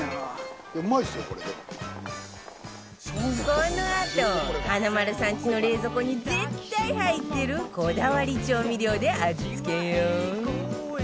このあと華丸さんちの冷蔵庫に絶対入ってるこだわり調味料で味付けよ